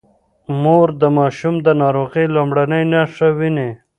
مور د ماشوم د ناروغۍ لومړنۍ نښې ويني.